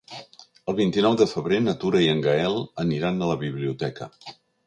El vint-i-nou de febrer na Tura i en Gaël aniran a la biblioteca.